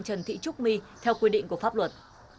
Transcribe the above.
trần thị trúc my theo quy định của pháp luật